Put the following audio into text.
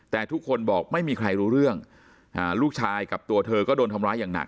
แต่ทุกคนบอกไม่มีใครรู้เรื่องลูกชายกับตัวเธอก็โดนทำร้ายอย่างหนัก